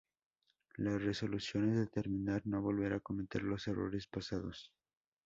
La resolución es determinar no volver a cometer los errores pasados.